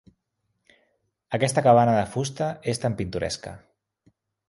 Aquesta cabana de fusta és tan pintoresca.